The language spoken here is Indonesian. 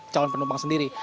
calon penumpang sendiri